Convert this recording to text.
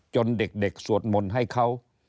เด็กสวดมนต์ให้เขา